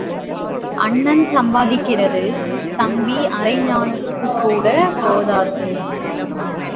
அண்ணன் சம்பாதிக்கிறது தம்பி அரைஞாணுக்குக் கூடப் போதாது.